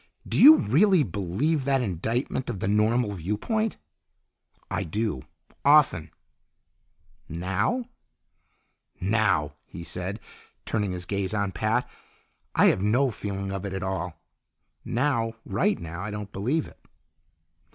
Do you really believe that indictment of the normal viewpoint?" "I do often!" "Now?" "Now," he said, turning his gaze on Pat, "I have no feeling of it at all. Now, right now, I don't believe it."